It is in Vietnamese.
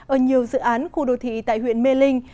ở nhiều dự án khu đô thị tại huyện mê linh